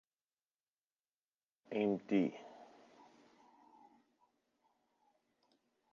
The Mt.